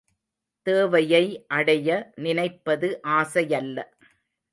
தேவையை அடைய நினைப்பது ஆசையல்ல.